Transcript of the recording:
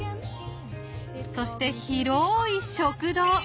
そして広い食堂。